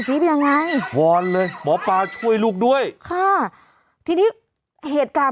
ฟีบยังไงวอนเลยหมอปลาช่วยลูกด้วยค่ะทีนี้เหตุการณ์